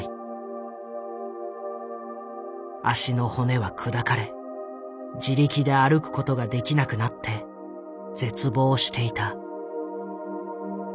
足の骨は砕かれ自力で歩くことができなくなって絶望していた。